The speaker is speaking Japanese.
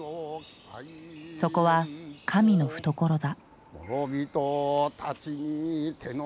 そこは神の懐だ。